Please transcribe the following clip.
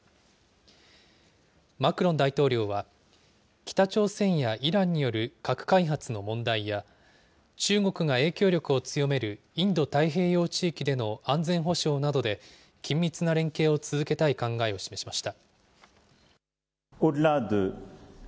マクロン大統領は、北朝鮮やイランによる核開発の問題や、中国が影響力を強めるインド太平洋地域での安全保障などで、緊密な連携を続けたい考えを示しました。